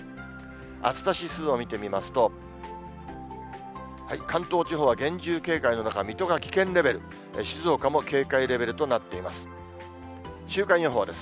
暑さ指数を見てみますと、関東地方は厳重警戒の中、水戸が危険レベル、静岡も警戒レベルとなっています。